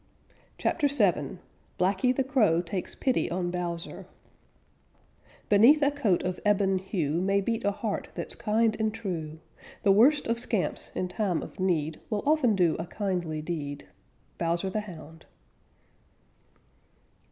CHAPTER VII BLACKY THE CROW TAKES PITY ON BOWSER Beneath a coat of ebon hue May beat a heart that's kind and true. The worst of scamps in time of need Will often do a kindly deed. _Bowser the Hound.